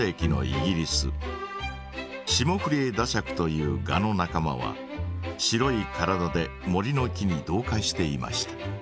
シモフリエダシャクというガの仲間は白い体で森の木に同化していました。